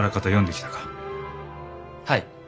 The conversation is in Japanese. はい。